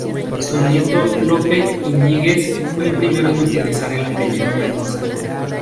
Su nieto Lope Íñiguez fue el primero en utilizar el apellido Mendoza.